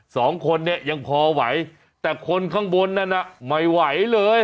สองคนเนี่ยยังพอไหวแต่คนข้างบนนั้นน่ะไม่ไหวเลย